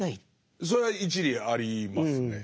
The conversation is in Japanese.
それは一理ありますね。